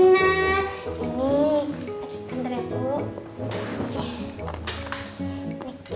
ini adukkan terakhir dulu